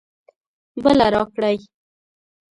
بله راکړئ